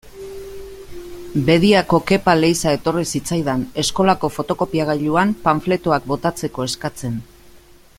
Bediako Kepa Leiza etorri zitzaidan, eskolako fotokopiagailuan panfletoak botatzeko eskatzen.